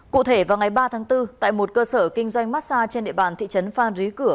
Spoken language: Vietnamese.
cụ thể vào ngày ba tháng bốn tại một cơ sở kinh doanh massage trên địa bàn thị trấn phan rí cửa